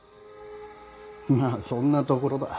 まあそんなところだ。